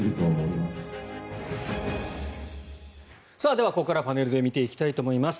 では、ここからパネルで見ていきたいと思います。